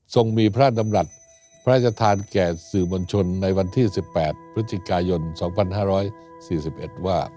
ส่งมีพระดำรัฐพระราชทานแก่สื่อมวลชนในวันที่๑๘พฤศจิกายน๒๕๔๑ว่า